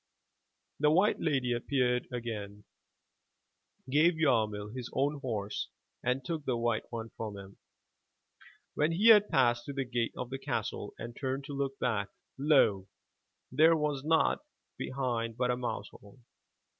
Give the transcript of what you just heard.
The white lady appeared again, gave Yarmil his own horse and took the white one from him. When he had passed through the gate of the castle and turned to look back, lo! there was naught behind but a mousehole.